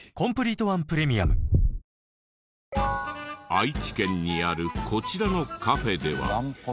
愛知県にあるこちらのカフェでは。